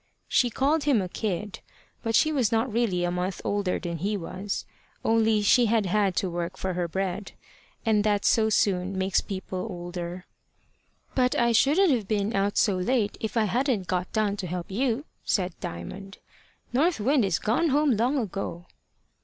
She called him a kid, but she was not really a month older than he was; only she had had to work for her bread, and that so soon makes people older. "But I shouldn't have been out so late if I hadn't got down to help you," said Diamond. "North Wind is gone home long ago."